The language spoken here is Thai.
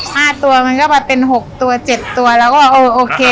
ห้าตัวมันก็มาเป็นหกตัวเจ็ดตัวเราก็เออโอเค